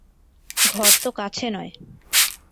ঘর তো কাছে নয়।